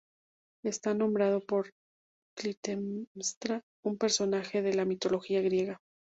Está nombrado por Clitemnestra, un personaje de la mitología griega.